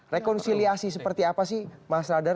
rekonsiliasi seperti apa sih mas radar